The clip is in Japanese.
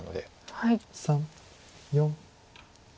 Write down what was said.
３４。